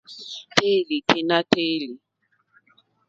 Téèlì tɛ́ nà téèlì.